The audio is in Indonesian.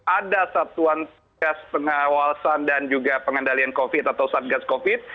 ada satuan tugas pengawasan dan juga pengendalian covid atau satgas covid